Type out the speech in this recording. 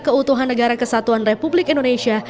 keutuhan negara kesatuan republik indonesia